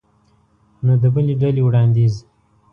نو د بلې ډلې وړاندیز